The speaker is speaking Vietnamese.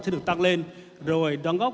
sẽ được tăng lên rồi đóng góp